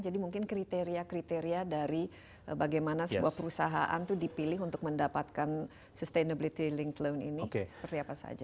jadi mungkin kriteria kriteria dari bagaimana sebuah perusahaan itu dipilih untuk mendapatkan sustainability linked loan ini seperti apa saja